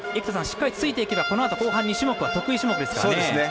しっかりついていけばこのあと後半２種目は得意種目ですからね。